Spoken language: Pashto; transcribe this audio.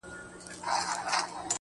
ډېرې ماوراء دي دا کیسې له زندګۍ